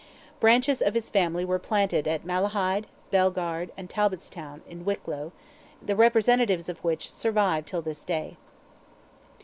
Branches of his family were planted at Malahide, Belgarde, and Talbotstown, in Wicklow, the representatives of which survive till this day.